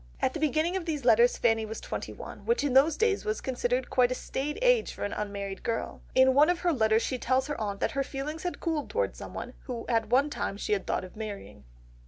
At the beginning of these letters Fanny was twenty one, which in those days was considered quite a staid age for an unmarried girl. In one of her letters she tells her aunt that her feelings had cooled towards someone, who at one time she had thought of marrying.